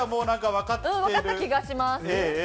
わかった気がします。